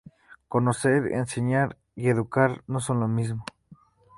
Conocer, enseñar y educar no son lo mismo.